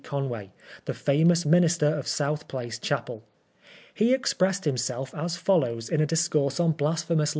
Conway, the famous minister of South Place Chapel. He expressed himself as follows in a discourse on Blasphemous 66 PRISONEB FOB BLASPHEMY.